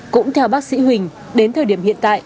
cũng theo bác sĩ huỳnh đến thời điểm hiện tại